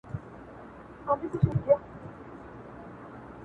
عائشة رضي الله عنها فرمايي.